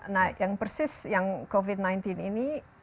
nah yang persis yang covid sembilan belas ini